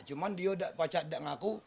cuman dia pacat tidak ngaku